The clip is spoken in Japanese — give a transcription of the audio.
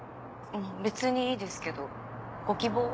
別にいいですけどご希望は？